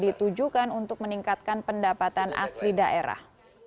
ditujukan untuk meningkatkan pendapatan asli daerah